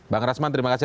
bang rasman terima kasih